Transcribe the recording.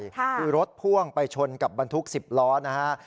คือรถพ่วงไปชนกับบรรทุก๑๐ล้อนะฮะ